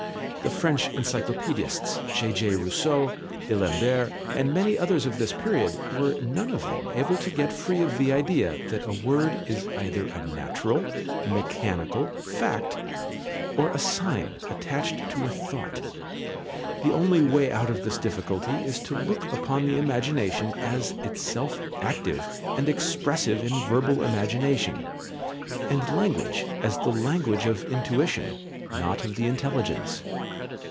The French encyclopaedists, J.J. Rousseau, d'Alembert, and many others of this period, were none of them able to get free of the idea that a word is either a natural, mechanical fact, or a sign attached to a thought. The only way out of this difficulty is to look upon the imagination as itself active and expressive in verbal imagination, and language as the language of intuition, not of the intelligence.